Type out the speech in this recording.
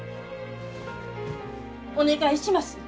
お願いします！